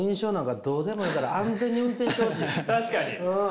確かに！